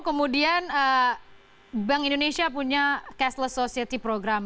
kemudian bank indonesia punya cashless society program